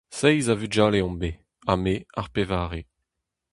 Seizh a vugale omp bet, ha me ar pevare.